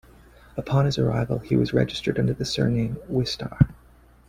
Upon his arrival, he was registered under the surname "Wistar".